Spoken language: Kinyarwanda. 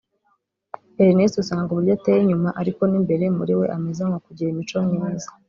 Ernest usanga uburyo ateye inyuma ariko n’imbere muri we ameze mu kugira imico myiza